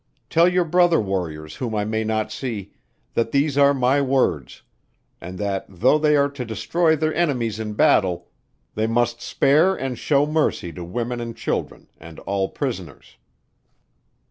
Tell your brother warriors whom I may not see, that these are my words; and that though they are to destroy their enemies in battle, they must spare and shew mercy to women and children, and all prisoners.